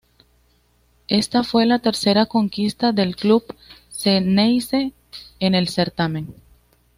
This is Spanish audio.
Esta fue la tercera conquista del club xeneize en el certamen.